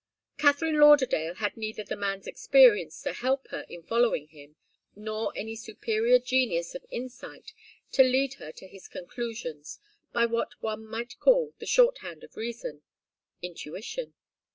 Katharine Lauderdale had neither the man's experience to help her in following him, nor any superior genius of insight to lead her to his conclusions by what one might call the shorthand of reason intuition.